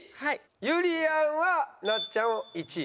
ゆりやんはなっちゃんを１位。